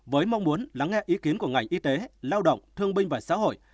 với mong muốn lắng nghe ý kiến của ngành y tế lao động thương binh và xã hội